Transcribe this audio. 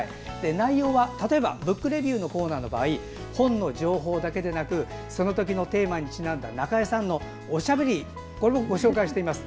内容は例えば「ブックレビュー」のコーナーの場合本の情報だけでなくその時のテーマにちなんだ中江さんのおしゃべりもご紹介しています。